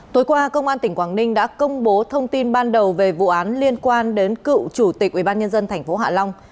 tối qua công an tỉnh quảng ninh đã công bố thông tin ban đầu về vụ án liên quan đến cựu chủ tịch ubnd tp hạ long